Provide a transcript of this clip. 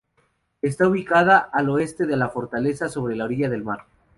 Se ubicaba al oeste de la fortaleza sobre la orilla del mar.